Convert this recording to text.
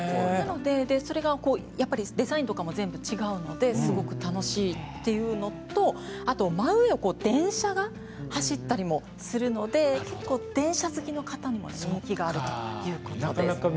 なのでそれがデザインとかも全部違うのですごく楽しいというのと真上を電車が走ったりもするので電車好きの方にも人気があるということです。